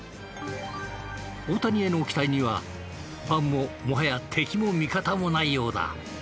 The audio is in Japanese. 大谷への期待にはファンももはや敵も味方もないようだ。